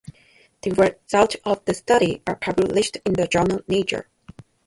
The results of the study are published in the journal "Nature".